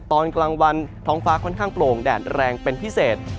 ตอนกลางวันท้องฟ้าค่อนข้างโปร่งแดดแรงเป็นพิเศษ